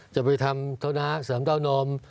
จะไปทำเทาหน้าเสริมเทาโน้ม